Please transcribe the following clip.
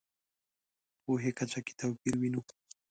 پوهې کچه کې توپیر وینو.